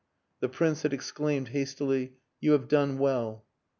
The Prince had exclaimed hastily "You have done well."